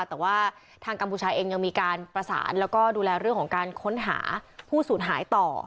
แต่ว่าทางกัมพูชาเองยังมีการประสานแล้วก็ดูแลเรื่องของการค้นหาผู้สูญหายต่อ